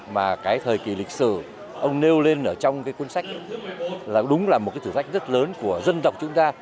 mà cái thời kỳ lịch sử ông nêu lên ở trong cái cuốn sách là đúng là một cái thử thách rất lớn của dân tộc chúng ta